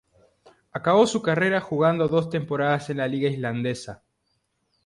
Acabó su carrera jugando dos temporadas en la liga islandesa.